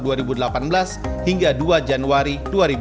dari delapan belas hingga dua januari dua ribu sembilan belas